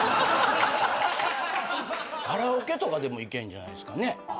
カラオケとかでもいけんじゃないすかね